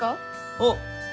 あっ！